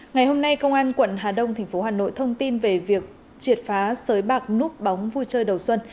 ngày hôm nay công an tp hà nội thông tin về việc triệt phá sới bạc núp bóng vui chơi đầu xuân